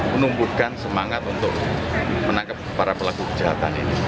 menumbuhkan semangat untuk menangkap para pelaku kejahatan ini